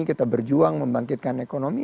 kita berjuang membangkitkan ekonomi